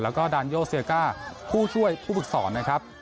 แล้วก็ดานโยเซียก้าผู้ช่วยผู้ฝึกสอนนะครับ